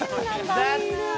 残念。